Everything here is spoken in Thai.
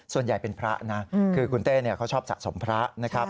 ส่วนใหญ่เป็นพระนะคือคุณเต้เขาชอบสะสมพระนะครับ